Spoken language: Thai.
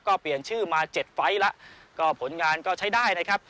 ก็เปลี่ยนชื่อมาเจ็ดไฟล์แล้วก็ผลงานก็ใช้ได้นะครับ